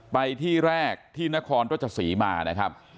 ไปที่แรกที่นครต้นจะสีมานะครับ